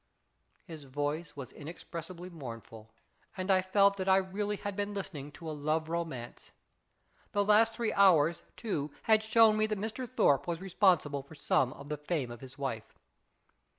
His voice was inexpressibly mournful, and 270 IS IT A MAN? I felt that I really had been listening to a love romance. The last three hours, too, had shown me that Mr. Thorpe was responsible for some of the fame of his wife.